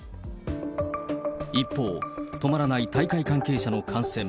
一方、止まらない大会関係者の感染。